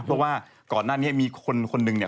เพราะว่าก่อนหน้านี้มีคนคนหนึ่งเนี่ย